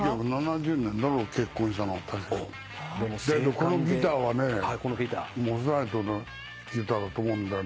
このギターはねモズライトのギターだと思うんだよ。